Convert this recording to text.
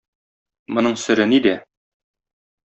Моның сере нидә?